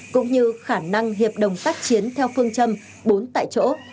cũng như khả năng hiệp đồng tác chiến theo phương châm bốn tại chỗ